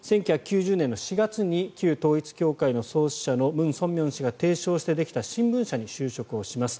１９９０年の４月に旧統一教会の創始者のムン・ソンミョン氏が提唱してできた新聞社に就職をします。